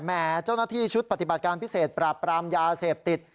เจ้าหน้าที่ชุดปฏิบัติการพิเศษปราบปรามยาเสพติด